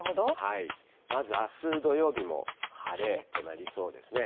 まずあす土曜日も晴れとなりそうですね。